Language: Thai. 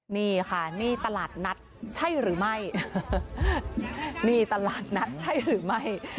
นี่ค่ะนี่ตลาดนัดใช่หรือไม่